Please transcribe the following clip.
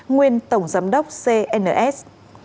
nguyên tổng giám đốc cns